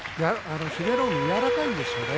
英乃海は柔らかいですよね。